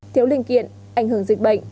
thiếu linh kiện ảnh hưởng dịch bệnh